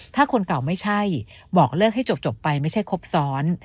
ถ้าคนเก่าไม่ใช่บอกเลิกให้จบไปไม่ใช่ครบซ้อน